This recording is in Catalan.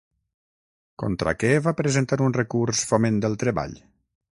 Contra què va presentar un recurs Foment del Treball?